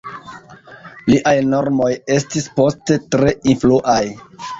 Liaj normoj estis poste tre influaj.